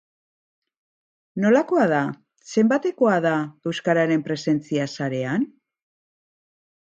Nolakoa da, zenbatekoa da, euskararen presentzia sarean?